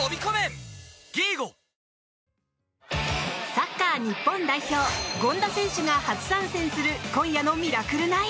サッカー日本代表権田選手が初参戦する今夜の「ミラクル９」。